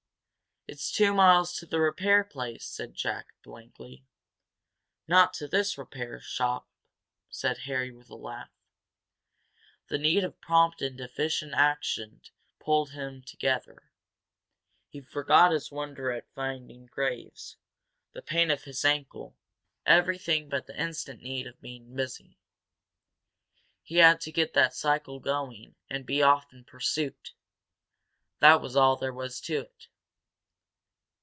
"It's two miles to the repair place!" said Jack, blankly. "Not to this repair shop," said Harry, with a laugh. The need of prompt and efficient action pulled him together. He forgot his wonder at finding Graves, the pain of his ankle, everything but the instant need of being busy. He had to get that cycle going and be off in pursuit, that was all there was to it.